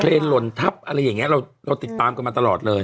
หล่นทับอะไรอย่างนี้เราติดตามกันมาตลอดเลย